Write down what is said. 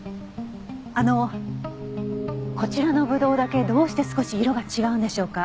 あのこちらのぶどうだけどうして少し色が違うんでしょうか？